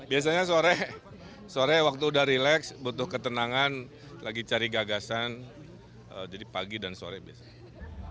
biasanya sore sore waktu udah relax butuh ketenangan lagi cari gagasan jadi pagi dan sore biasanya